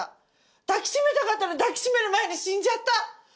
抱き締めたかったのに抱き締める前に死んじゃった。